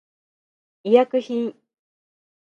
医薬品